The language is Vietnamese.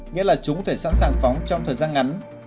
nghĩa là chúng thể sẵn sàng phóng trong thời gian ngắn